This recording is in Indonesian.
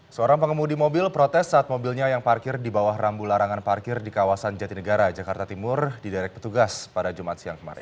seorang pengemudi mobil protes saat mobilnya yang parkir di bawah rambu larangan parkir di kawasan jatinegara jakarta timur diderek petugas pada jumat siang kemarin